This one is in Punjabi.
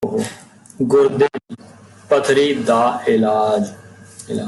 ਗੁਰਦੇ ਦੀ ਪੱਥਰੀ ਦਾ ਇਲਾਜ